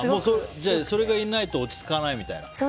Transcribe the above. それがいないと落ち着かないみたいな？